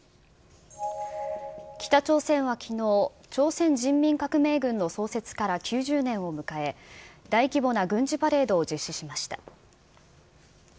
北朝鮮はきのう、朝鮮人民革命軍の創設から９０年を迎え、大規模な軍事パレードを実施しました。